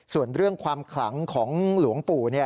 ส่วนเรื่องความขลังของหลวงปู่